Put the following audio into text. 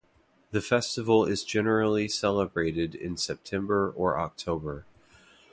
The festival is generally celebrated in September or October.